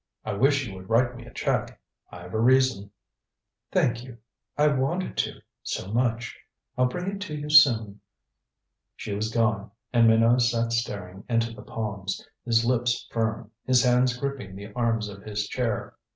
I wish you would write me a check. I've a reason." "Thank you. I wanted to so much. I'll bring it to you soon." She was gone, and Minot sat staring into the palms, his lips firm, his hands gripping the arms of his chair.